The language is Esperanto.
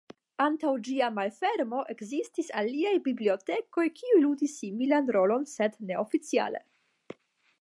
Antaŭ ĝia malfermo ekzistis aliaj bibliotekoj kiuj ludis similan rolon sed neoficiale.